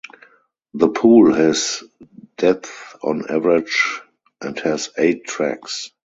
The pool has depth on average and has eight tracks.